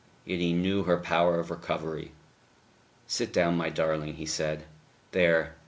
Yet he knew her power of recovery. "Sit down, my darling," he said. "There